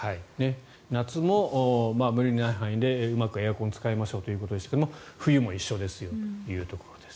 夏も無理のない範囲でうまくエアコンを使いましょうということでしたが冬も一緒ですよというところです。